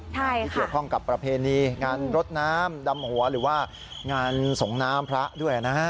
ที่เกี่ยวข้องกับประเพณีงานรดน้ำดำหัวหรือว่างานส่งน้ำพระด้วยนะฮะ